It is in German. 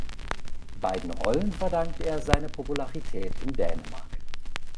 Beiden Rollen verdankt er seine Popularität in Dänemark.